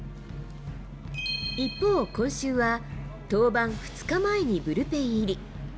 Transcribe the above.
一方、今週は登板２日前にブルペン入り。